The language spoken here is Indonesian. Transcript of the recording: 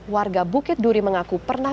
warga bukit duri mengaku pernah